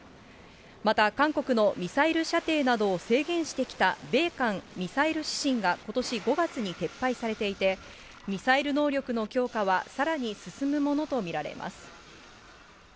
また、韓国のミサイル射程などを制限してきた米韓ミサイル指針がことし５月に撤廃されていて、ミサイル能力の強化は、さらに進むものと見られます。